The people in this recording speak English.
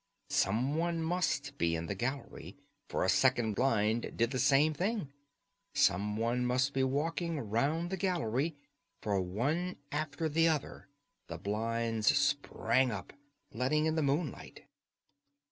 Someone must be in the gallery, for a second blind did the same. Someone must be walking round the gallery, for one after the other the blinds sprang up, letting in the moonlight.